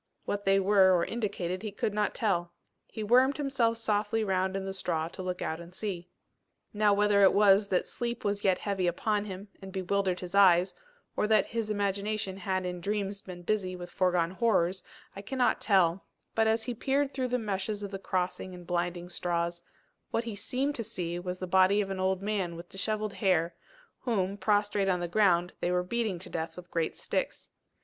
What they were or indicated he could not tell. He wormed himself softly round in the straw to look out and see. Now whether it was that sleep was yet heavy upon him, and bewildered his eyes, or that his imagination had in dreams been busy with foregone horrors, I cannot tell; but, as he peered through the meshes of the crossing and blinding straws, what he seemed to see was the body of an old man with dishevelled hair, whom, prostrate on the ground, they were beating to death with great sticks.